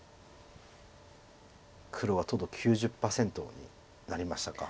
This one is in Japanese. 黒はとうとう９０％になりましたか。